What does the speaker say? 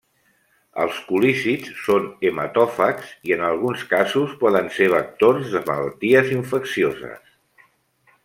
Els culícids són hematòfags i en alguns casos poden ser vectors de malalties infeccioses.